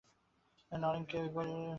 নরেনকে ঐ সকলের সমষ্টি-প্রকাশ বলতেন।